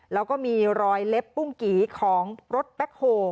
แล้วก็มีรอยเล็บปุ้งกี่ของรถแบ็คโฮ